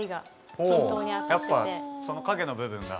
やっぱその影の部分が。